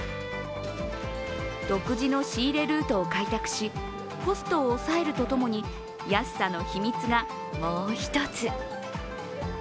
独自の仕入れルートを開拓しコストを抑えるとともに安さの秘密がもう一つ。